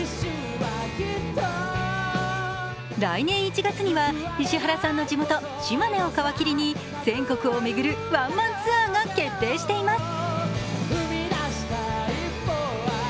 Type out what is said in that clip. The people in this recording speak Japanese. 来年１月には石原さんの地元・島根を皮切りに全国を巡るワンマンツアーが決定しています。